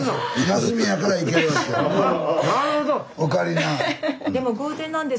なるほど。